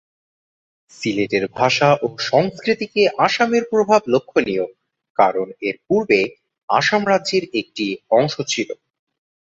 সিলেটের ভাষা ও সংস্কৃতিতে আসামের প্রভাব লক্ষণীয় কারণ এটি পূর্বে আসাম রাজ্যের একটি অংশ ছিল।